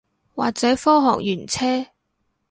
或者科學園車